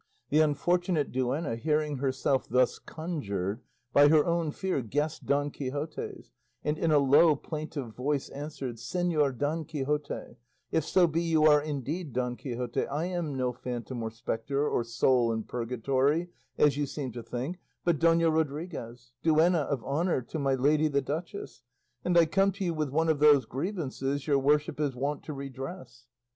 The unfortunate duenna hearing herself thus conjured, by her own fear guessed Don Quixote's and in a low plaintive voice answered, "Señor Don Quixote if so be you are indeed Don Quixote I am no phantom or spectre or soul in purgatory, as you seem to think, but Dona Rodriguez, duenna of honour to my lady the duchess, and I come to you with one of those grievances your worship is wont to redress."